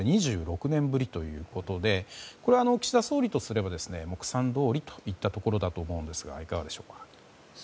２６年ぶりということで岸田総理とすれば目算どおりといったところだと思いますがいかがでしょうか。